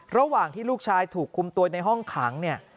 ระหว่างที่ลูกชายถูกคุมตัวในห้องขังเนี่ย